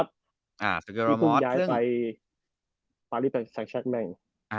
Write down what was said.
ที่คุณย้ายไปฟารี่แปลกแซงชักแม่ง